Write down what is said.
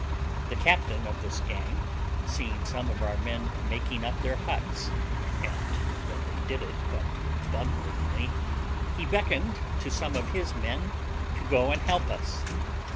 The captain of this gang seeing some of our men making up their huts, and that they did it but bunglingly, he beckoned to some of his men to go and help us.